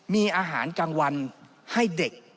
มีอาหารกลางวันให้เด็ก